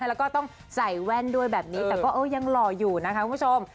แล้วก็ต้องใส่แว่นด้วยแบบนี้แต่ก็ยังหล่ออยู่นะคะคุณผู้ชม